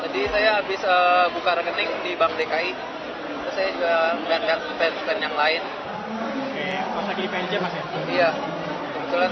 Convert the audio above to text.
di hall c satu j expo kemayoran bank dki juga dapat digunakan untuk melakukan aktifasi jack one mobile terbaru